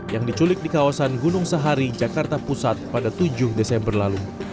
yang diculik di kawasan gunung sahari jakarta pusat pada tujuh desember lalu